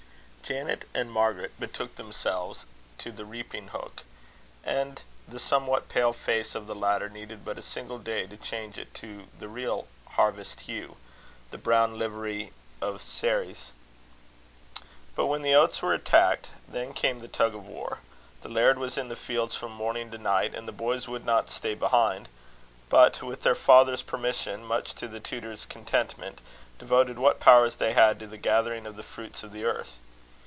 Janet and Margaret betook themselves to the reaping hook; and the somewhat pale face of the latter needed but a single day to change it to the real harvest hue the brown livery of Ceres. But when the oats were attacked, then came the tug of war. The laird was in the fields from morning to night, and the boys would not stay behind; but, with their father's permission, much to the tutor's contentment, devoted what powers they had to the gathering of the fruits of the earth.